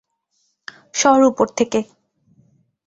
সর উপর থেকে।